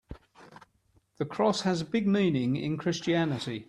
The cross has a big meaning in Christianity.